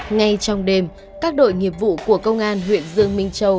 ngay trong đêm các đội nghiệp vụ của công an huyện dương minh châu